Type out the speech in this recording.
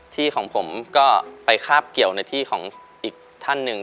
ที่ของผมก็ไปคาบเกี่ยวในที่ของอีกท่านหนึ่ง